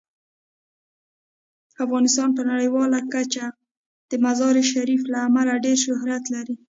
افغانستان په نړیواله کچه د مزارشریف له امله ډیر شهرت لري.